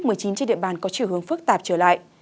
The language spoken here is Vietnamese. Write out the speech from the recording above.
trên địa bàn có chiều hướng phức tạp trở lại